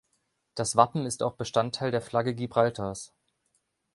Das Wappen ist auch Bestandteil der Flagge Gibraltars.